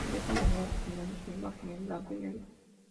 De esta manera obtenemos una imagen en blanco y negro.